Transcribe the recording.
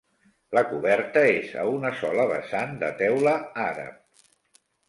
La coberta és a una sola vessant de teula àrab.